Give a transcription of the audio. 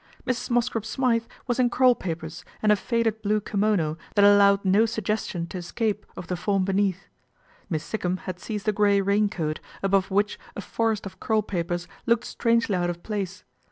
Mrs. Mosscrop Smythe was in curl papers and a faded blue kimono that allowed no suggestion to escape of the form beneath. Miss Sikkum had seized a grey raincoat, above which a forest of curl papers looked strangely out of place.